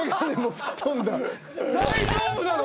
大丈夫なの？